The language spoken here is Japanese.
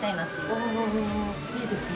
おいいですね。